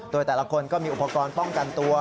โดยแต่ละคนก็มีอุปกรณ์ป้องกันตัว